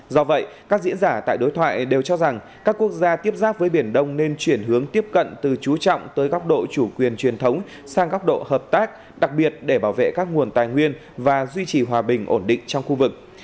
do vậy các diễn giả tại đối thoại đều cho rằng các quốc gia tiếp giáp với biển đông nên chuyển hướng tiếp cận từ chú trọng tới góc độ chủ quyền truyền thống sang góc độ hợp tác đặc biệt để bảo vệ các nguồn tài nguyên và duy trì hòa bình ổn định trong khu vực